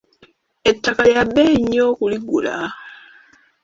Ettaka lya bbeeyi nnyo okuligula.